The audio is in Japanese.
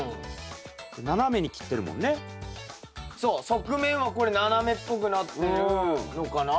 側面はこれ斜めっぽくなってるのかな？